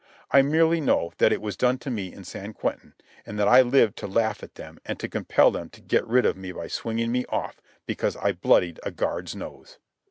I merely know that it was done to me in San Quentin, and that I lived to laugh at them and to compel them to get rid of me by swinging me off because I bloodied a guard's nose.